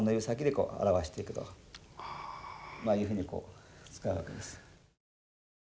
まあいうふうにこう遣うわけです。